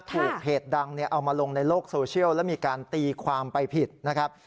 ถูกเพจดังเอามาลงในโลกโซเชียลแล้วมีการตีความไปผิดนะครับ